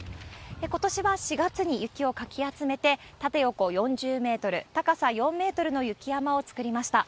ことしは４月に雪をかき集めて、縦横４０メートル、高さ４メートルの雪山を作りました。